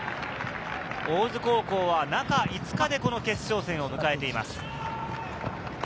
大津高校は、中５日でこの決勝戦を迎えています。